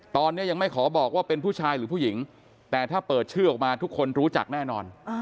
ตอนนี้ยังไม่ขอบอกว่าเป็นผู้ชายหรือผู้หญิงแต่ถ้าเปิดชื่อออกมาทุกคนรู้จักแน่นอน